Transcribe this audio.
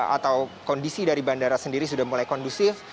atau kondisi dari bandara sendiri sudah mulai kondusif